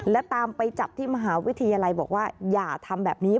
และตามไปจับที่มหาวิทยาลัยบอกว่าอย่าทำแบบนี้